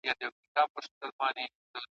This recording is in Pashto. چې ملتونه یوازې